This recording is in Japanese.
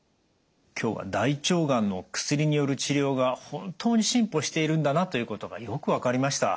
今日は大腸がんの薬による治療が本当に進歩しているんだなということがよく分かりました。